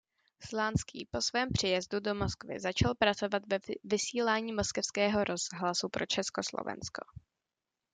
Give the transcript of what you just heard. Slánský po svém příjezdu do Moskvy začal pracovat ve vysílání moskevského rozhlasu pro Československo.